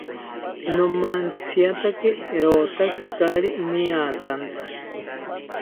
Nomantziatake rotaki kaari niatanta